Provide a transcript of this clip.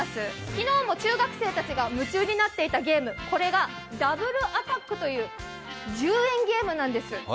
昨日も中学生たちが夢中になっていたゲーム、これがダブルアタックという１０円ゲームなんです。